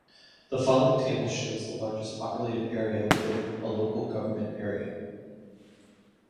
The following table shows the largest populated area within a local government area.